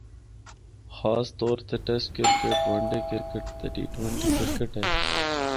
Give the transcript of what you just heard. خاص طور تے test cricket, one day cricket تے ٹی ٹونٹی کرکٹ ہے۔